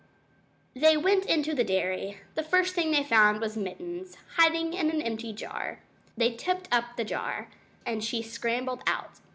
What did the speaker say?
They went into the dairy. The first thing they found was Mittens, hiding in an empty jar. They tipped over the jar, and she scrambled out.